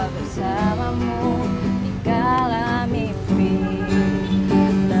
kok mau dijawab